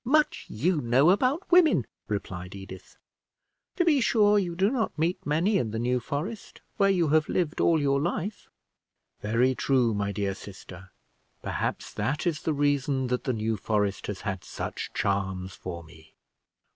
"Much you know about women," replied Edith. "To be sure, you do not meet many in the New Forest, where you have lived all your life." "Very true, my dear sister; perhaps that is the reason that the New Forest has had such charms for me."